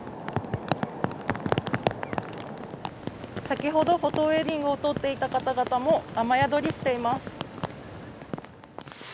先ほど、フォトウエディングを撮っていた方々も、雨宿りしています。